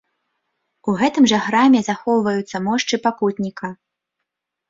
У гэтым жа храме захоўваюцца мошчы пакутніка.